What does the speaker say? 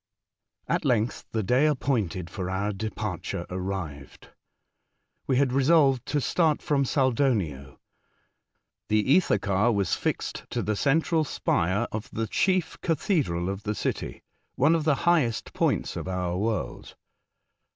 AT length, the day appointed for our depar ture arrived. We had resolved to start from Saldonio. The ether car was fixed to the central spire of the chief cathedral of the city — one of the highest points of our world.